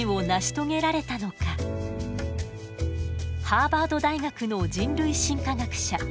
ハーバード大学の人類進化学者